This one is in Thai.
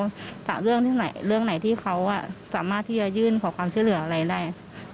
แกมีลูกกี่คนครับ